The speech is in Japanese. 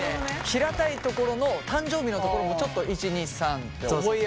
平たいところの誕生日のところもちょっと１２３って覚えやすくしたりとか。